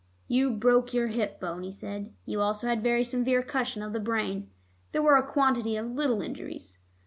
"You broke your hip bone," he said. "You also had very severe concussion of the brain. There were a quantity of little injuries."